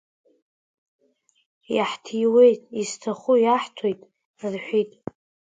Иаҳҭиует, изҭаху иаҳҭоит, рҳәит.